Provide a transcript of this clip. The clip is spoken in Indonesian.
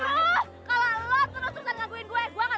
kalau lo terus terusan ngangguin gue